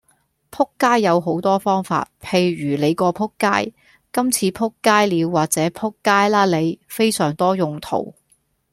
仆街有好多用法，譬如你個仆街，今次仆街了或者仆街啦你，非常多用途